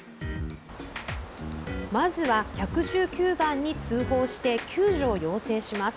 まずは、１１９番に通報して救助を要請します。